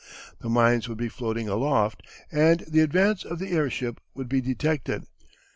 The mines would be floating aloft, and the advance of the airship would be detected.